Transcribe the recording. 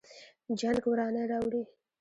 جنګ ورانی راوړي